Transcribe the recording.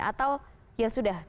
atau ya sudah